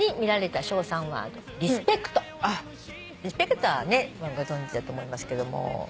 リスペクトはご存じだと思いますけども。